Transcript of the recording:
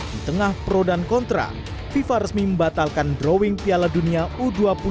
di tengah pro dan kontra fifa resmi membatalkan drawing piala dunia u dua puluh dua ribu dua puluh tiga